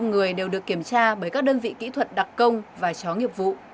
năm người đều được kiểm tra bởi các đơn vị kỹ thuật đặc công và chó nghiệp vụ